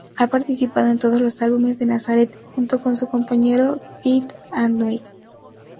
Ha participado en todos los álbumes de Nazareth, junto con su compañero Pete Agnew.